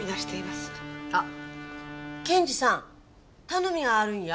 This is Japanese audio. あっ検事さん頼みがあるんや。